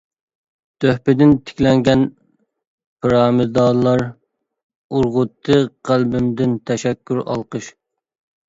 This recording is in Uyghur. تۆھپىدىن تىكلەنگەن پىرامىدالار، ئۇرغۇتتى قەلبىمدىن تەشەككۈر ئالقىش.